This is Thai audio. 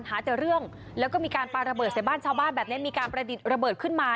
หาแต่เรื่องแล้วก็มีการปาระเบิดใส่บ้านชาวบ้านแบบนี้มีการประดิษฐ์ระเบิดขึ้นมา